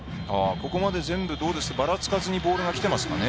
ここまで全部ばらつかずにボールがきていますね。